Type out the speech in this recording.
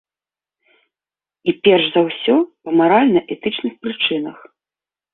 І перш за ўсё па маральна-этычных прычынах.